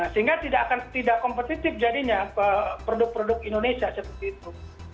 sehingga tidak kompetitif jadinya produk produk indonesia seperti itu